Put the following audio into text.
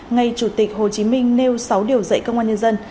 ngày chủ tịch hồ chí minh nêu sáu điều dạy công an nhân dân